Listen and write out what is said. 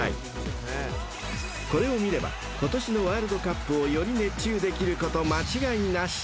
［これを見れば今年のワールドカップをより熱中できること間違いなし］